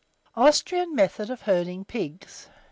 AUSTRIAN METHOD OF HERDING PIGS.